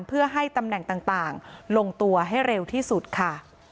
เพื่อให้ตำแหน่งต่างลงตัวให้เร็วที่สุดค่ะ